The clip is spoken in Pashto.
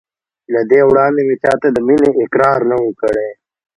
له دې وړاندې مې چا ته د مینې اقرار نه و کړی.